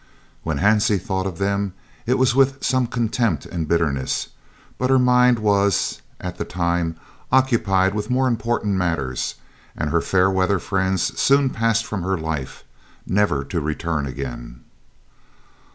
When Hansie thought of them it was with some contempt and bitterness, but her mind was, at the time, occupied with more important matters, and her fair weather friends soon passed from her life, never to return again.